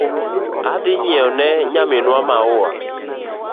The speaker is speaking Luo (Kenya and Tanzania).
Adhi yieo ne nyaminwa maua